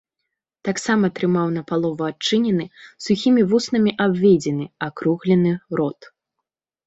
Таксама трымаў напалову адчынены, сухімі вуснамі абведзены, акруглены рот.